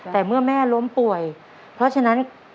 แต่เมื่อแม่ล้มป่วยเพราะฉะนั้น